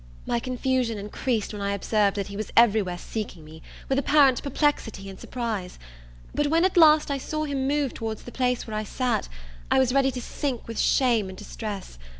My confusion increased when I observed that he was every where seeking me, with apparent perplexity and surprise; but when, at last, I saw him move towards the place where I sat, I was ready to sink with shame and distress.